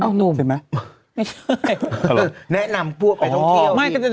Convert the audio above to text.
อ้าวนุ่มไม่ใช่แนะนำพวกไปท่องเที่ยวอ๋อ